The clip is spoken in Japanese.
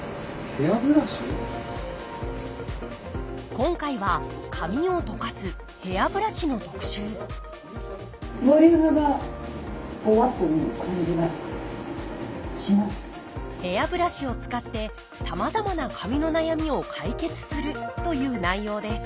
今回は髪をとかす「ヘアブラシ」の特集ヘアブラシを使ってさまざまな髪の悩みを解決するという内容です